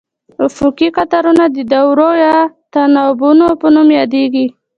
افقي قطارونه د دورو یا تناوبونو په نوم یادیږي.